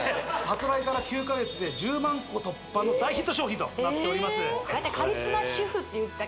発売から９か月で１０万個突破の大ヒット商品となっております